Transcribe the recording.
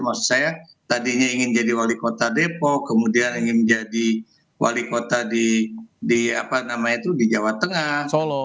maksud saya tadinya ingin jadi wali kota depok kemudian ingin menjadi wali kota di jawa tengah solo